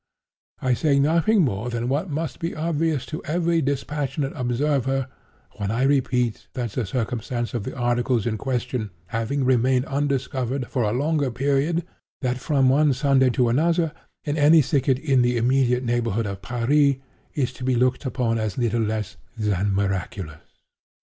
I say nothing more than what must be obvious to every dispassionate observer, when I repeat that the circumstance of the articles in question having remained undiscovered, for a longer period than from one Sunday to another, in any thicket in the immediate neighborhood of Paris, is to be looked upon as little less than miraculous.